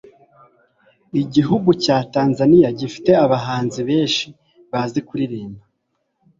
igihugu cya tanzania gifite abahanzi beshi bazi kuririmba